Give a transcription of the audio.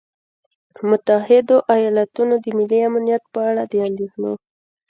متحدو ایالتونو د ملي امنیت په اړه د اندېښنو